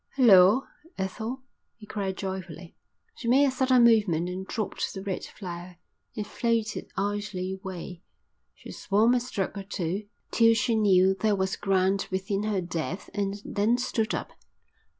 "Hulloa, Ethel," he cried joyfully. She made a sudden movement and dropped the red flower. It floated idly away. She swam a stroke or two till she knew there was ground within her depth and then stood up.